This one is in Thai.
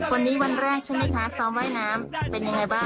วันนี้วันแรกชั้นนี้คะซ้อมไหว้น้ำเป็นยังไงบ้าง